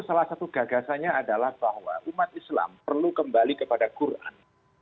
salah satu gagasannya adalah bahwa umat islam perlu kembali kepada quran